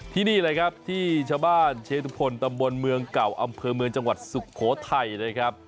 ที่นี่เลยครับที่ชาวบ้านเชตุพลตำบลเมืองเก่าอำเภอเมืองจังหวัดสุโขทัยนะครับ